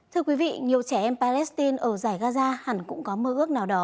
thưa quý vị nhiều trẻ em palestine ở giải gaza hẳn cũng có mơ ước nào đó